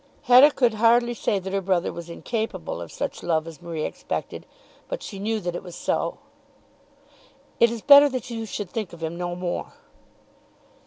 Hetta could hardly say that her brother was incapable of such love as Marie expected, but she knew that it was so. "It is better that you should think of him no more."